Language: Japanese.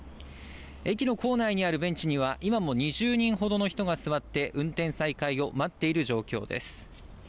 駅の構内にあるベンチには、今も２０人ほどの人が座って、運転再開を待っている状況です。